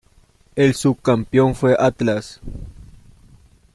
El subcampeón fue Atlas.